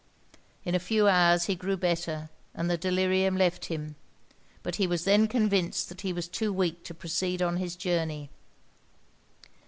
In a few hours he grew better, and the delirium left him; but he was then convinced that he was too weak to proceed on his journey.